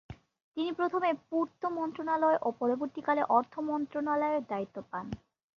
তিনি প্রথমে পূর্ত মন্ত্রণালয় ও পরবর্তীকালে অর্থ মন্ত্রণালয়ের দায়িত্ব পান।